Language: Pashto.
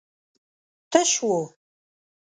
تش و.